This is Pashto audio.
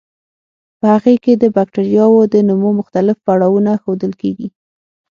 په هغې کې د بکټریاوو د نمو مختلف پړاوونه ښودل کیږي.